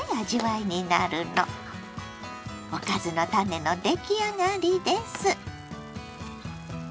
おかずのタネの出来上がりです。